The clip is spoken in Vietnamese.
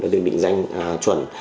được định danh chuẩn